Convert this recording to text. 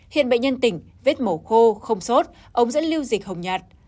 hiện bệnh nhân tỉnh vết mổ khô không sốt ông dẫn lưu dịch hồng nhạt